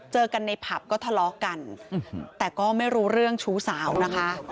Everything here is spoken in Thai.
เจอกันในผับก็ทะเลาะกันแต่ก็ไม่รู้เรื่องชู้สาวนะคะ